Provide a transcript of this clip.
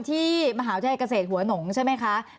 ที่มหาวิทยาลัยเกษตรหัวหนงใช่ไหมคะ